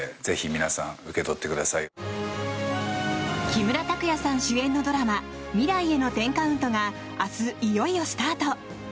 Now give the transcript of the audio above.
木村拓哉さん主演のドラマ「未来への１０カウント」が明日、いよいよスタート！